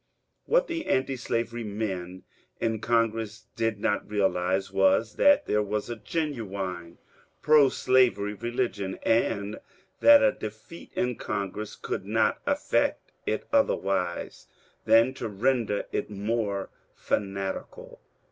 What the antislavery men in Congress did not realize was that there was a genuine proslavery religion, and that a de feat in Congress could not affect it otherwise than to render it more fanatical.